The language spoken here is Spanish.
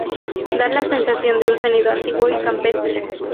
Da la sensación de un sonido antiguo y campestre.